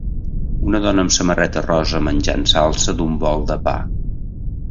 Una dona amb samarreta rosa menjant salsa d'un bol de pa.